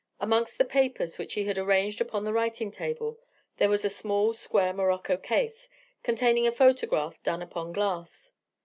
Amongst the papers which he had arranged upon the writing table, there was a small square morocco case, containing a photograph done upon glass.